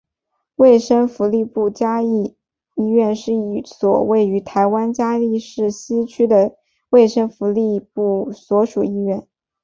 卫生福利部嘉义医院是一所位于台湾嘉义市西区的卫生福利部所属医院。